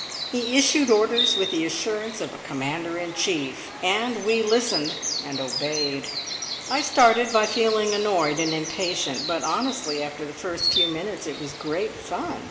He issued orders with the assurance of a Commander in Chief, and we listened and obeyed. I started by feeling annoyed and impatient, but honestly, after the first few minutes, it was great fun.